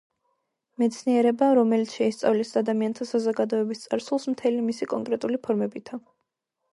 მეცნიერება რომელიც შეისწავლის ადამიანთა საზოგადოების წარსულს მთელი მისი კონკრეტული ფორმებითა